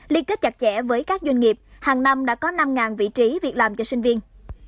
liên kết chặt chẽ với các doanh nghiệp hàng năm đã có năm vị trí việc làm cho sinh viên